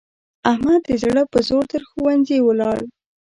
احمد د زړه په زور تر ښوونځي ولاړ.